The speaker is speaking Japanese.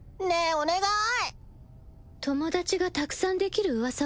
お願い！